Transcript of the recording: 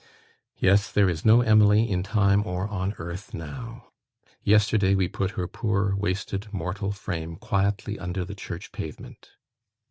Yes; there is no Emily in time or on earth now. Yesterday we put her poor, wasted, mortal frame quietly under the church pavement.